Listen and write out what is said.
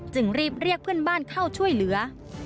จึงรีบเรียกเพื่อนบ้านเข้าช่วยเหลือ